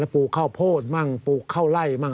ปลูกเข้าโพธิบ้างปลูกเข้าไล่บ้าง